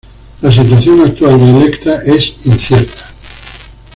La situación actual de Elektra es incierta.